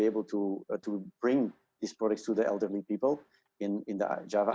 yang bergabung untuk membawa produk ini kepada orang tua di jawa